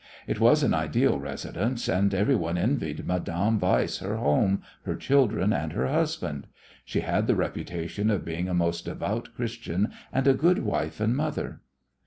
It was an ideal residence, and everyone envied Madame Weiss her home, her children and her husband. She had the reputation of being a most devout Christian and a good wife and mother.